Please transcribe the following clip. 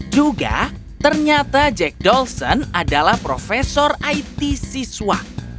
juga ternyata jack dolson adalah profesor it siswa